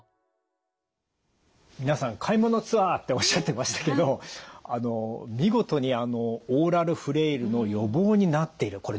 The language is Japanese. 皆さん「買い物ツアー！」っておっしゃってましたけどあの見事にオーラルフレイルの予防になっている。